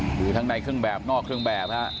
หรือทั้งในเครื่องแบบนอกเครื่องแบบฮะ